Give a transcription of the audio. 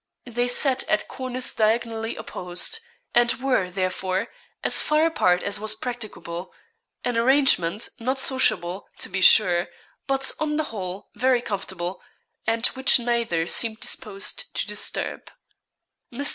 They sat at corners diagonally opposed, and were, therefore, as far apart as was practicable an arrangement, not sociable, to be sure, but on the whole, very comfortable, and which neither seemed disposed to disturb. Mr.